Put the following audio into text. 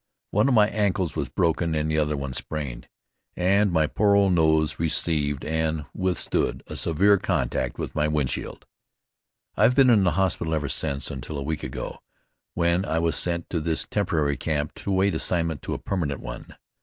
One of my ankles was broken and the other one sprained, and my poor old nose received and withstood a severe contact with my wind shield. I've been in hospital ever since until a week ago, when I was sent to this temporary camp to await assignment to a permanent one.